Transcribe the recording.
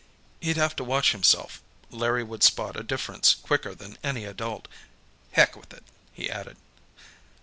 He'd have to watch himself. Larry would spot a difference quicker than any adult. "Heck with it," he added.